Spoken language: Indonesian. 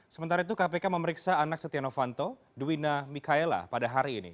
sementara itu kpk memeriksa anak setia novanto duwina mikaela pada hari ini